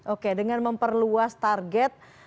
oke dengan memperluas target